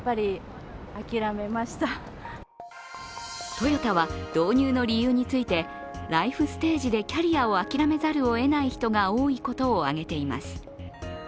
トヨタは導入の理由についてライフステージでキャリアを諦めざるをえない人が多いことを挙げています。